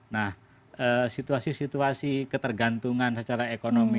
nah situasi situasi ketergantungan secara ekonomi